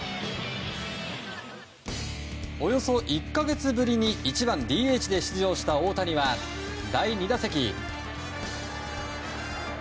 およそ１か月ぶりに１番ＤＨで出場した大谷は第２打席。